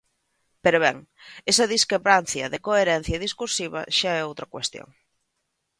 Pero ben, esa discrepancia de coherencia discursiva xa é outra cuestión.